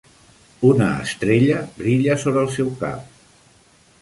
Una estrella brilla sobre el seu cap.